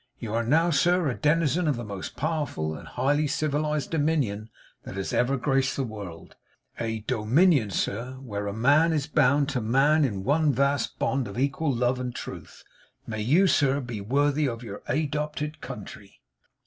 You air now, sir, a denizen of the most powerful and highly civilised dominion that has ever graced the world; a do minion, sir, where man is bound to man in one vast bond of equal love and truth. May you, sir, be worthy of your a dopted country!